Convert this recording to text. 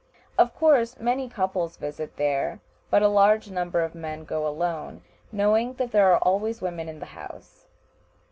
Of course many couples visit there, but a large number of men go alone, knowing that there are always women in the house.